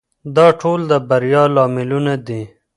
دا ټول د بریا لاملونه دي.